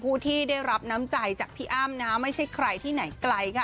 ผู้ที่ได้รับน้ำใจจากพี่อ้ำนะไม่ใช่ใครที่ไหนไกลค่ะ